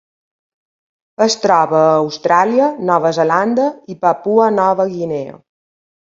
Es troba a Austràlia, Nova Zelanda i Papua Nova Guinea.